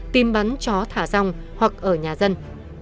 tìm bắn chó thả dòng hoặc ở nhà dân